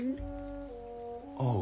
ああ。